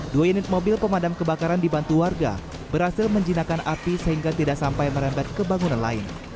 dua unit mobil pemadam kebakaran dibantu warga berhasil menjinakkan api sehingga tidak sampai merembet ke bangunan lain